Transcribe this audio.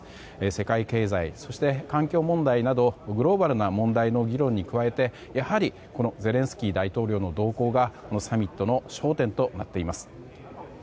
世界経済、環境問題などグローバルな問題の議論に加えて、やはりゼレンスキー大統領の動向がこのサミットの焦点となっています。